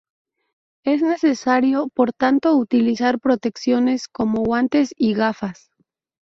Es necesario, por tanto, utilizar protecciones como guantes y gafas.